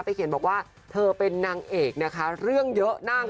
เขียนบอกว่าเธอเป็นนางเอกนะคะเรื่องเยอะนั่ง